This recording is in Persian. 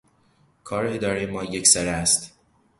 کار ادارهٔ ما یک سره است.